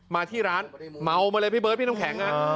มาที่ร้านเมามาเลยพี่เบิร์ดพี่น้ำแข็ง